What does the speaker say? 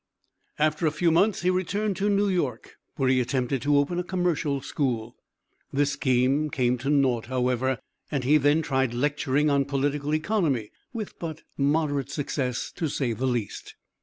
After a few months he returned to New York where he attempted to open a Commercial School. This scheme came to naught, however, and he then tried lecturing on political economy with but moderate success to say the least.